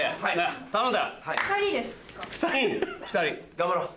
頑張ろう。